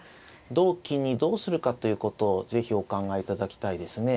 同金にどうするかということを是非お考えいただきたいですね。